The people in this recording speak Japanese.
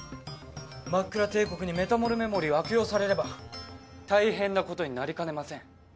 マックラ帝国にメタモルメモリーを悪用されれば大変なことになりかねません。